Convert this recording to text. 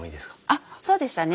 あっそうでしたね。